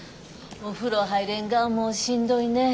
お風呂入れんがもうしんどいねえ。